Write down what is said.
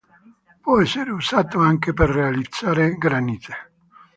Può essere usato anche per realizzare granite.